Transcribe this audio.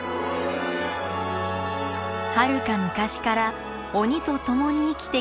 はるか昔から鬼と共に生きてきた国東半島。